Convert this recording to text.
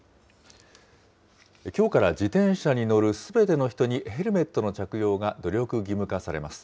きょうから自転車に乗るすべての人にヘルメットの着用が努力義務化されます。